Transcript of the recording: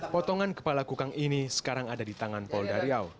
potongan kepala kukang ini sekarang ada di tangan polda riau